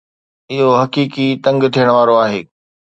اهو حقيقي تنگ ٿيڻ وارو آهي